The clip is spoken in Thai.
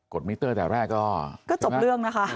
มิเตอร์แต่แรกก็จบเรื่องนะคะ